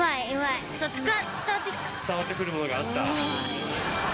伝わってくるものがあった？